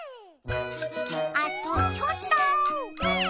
あとちょっと。